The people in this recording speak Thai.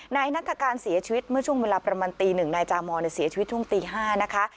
นัฐการเสียชีวิตเมื่อช่วงเวลาประมาณตีหนึ่งนายจามอนเสียชีวิตช่วงตี๕นะคะ